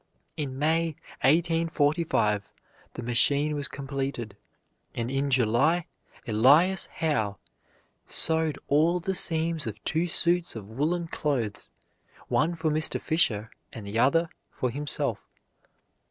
In May, 1845, the machine was completed, and in July Elias Howe sewed all the seams of two suits of woolen clothes, one for Mr. Fisher and the other for himself.